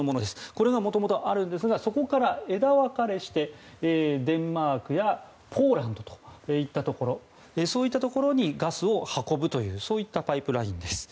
これがもともとあるんですがそこから枝分かれしてデンマークやポーランドといったところそういったところにガスを運ぶというパイプラインです。